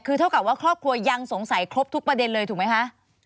คือเท่ากับว่าครอบครัวยังสงสัยครบทุกประเด็นเลยถูกไหมคะ